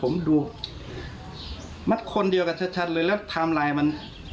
ผมดูมัดคนเดียวกันชัดเลยแล้วไทม์ไลน์มัน